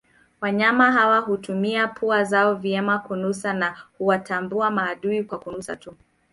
Wanyama hawa hutumia pua zao vyema kunusa na huwatambua maadui kwa kunusa tuu